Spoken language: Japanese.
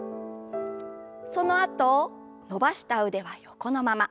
そのあと伸ばした腕は横のまま。